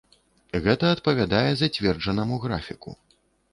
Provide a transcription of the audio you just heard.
Гэта адпавядае зацверджанаму графіку.